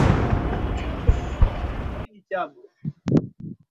mwaka kutokana na matumizi ya dawa hizo